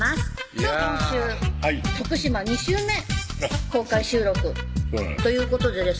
今週徳島２週目公開収録ということでですね